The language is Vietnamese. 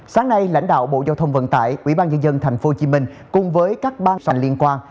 sáng nay lãnh đạo bộ giao thông vận tải quỹ ban dân dân tp hcm cùng với các ban soạn liên quan